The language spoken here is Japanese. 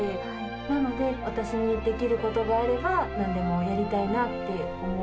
なので、私にできることがあれば、なんでもやりたいなって思う。